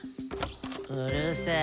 うるせぇ。